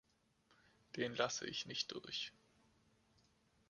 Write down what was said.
Den lasse ich nicht durch.